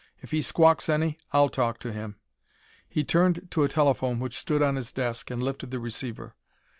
If he squawks any, I'll talk to him." He turned to a telephone which stood on his desk and lifted the receiver.